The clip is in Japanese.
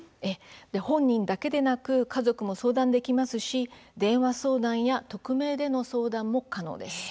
本人だけでなく家族も相談できますし電話相談や匿名での相談も可能です。